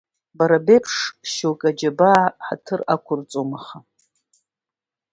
Бара беиԥш иҟоу шьоукы аџьабаа ҳаҭыр ақәырҵом, аха…